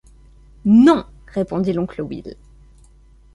Non! répondit l’oncle Will.